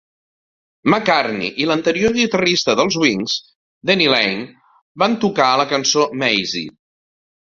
McCartney i l'anterior guitarrista dels Wings, Denny Laine, van tocar la cançó "Maisie".